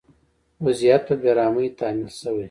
وضعیت په بې رحمۍ تحمیل شوی.